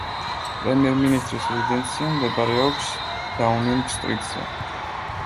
პრემიერ-მინისტრის რეზიდენცია მდებარეობს დაუნინგ სტრიტზე.